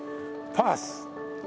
パス。